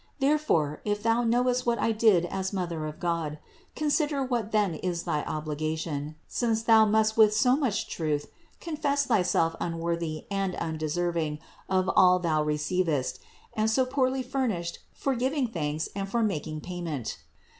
Therefore, if thou knowest what I did as Mother of God, consider what then is thy obligation, since thou must with so much truth confess thyself un worthy and undeserving of all thou receivest, and so poorly furnished for giving thanks and for making pay ment.